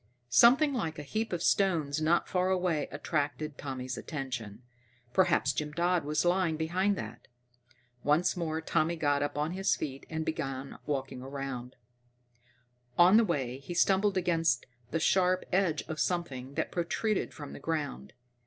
Something like a heap of stones not far away attracted Tommy's attention. Perhaps Jim Dodd was lying behind that. Once more Tommy got upon his feet and began walking toward it. On the way, he stumbled against the sharp edge of something that protruded from the ground.